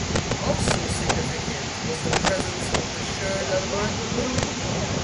Also significant was the presence of Sherden troops within the Egyptian army.